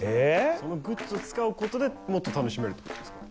そのグッズを使うことでもっと楽しめるってことですか？